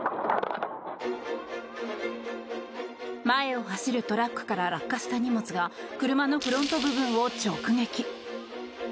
前を走るトラックから落下した荷物が車のフロント部分を直撃。